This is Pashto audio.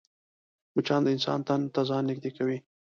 مچان د انسان تن ته ځان نږدې کوي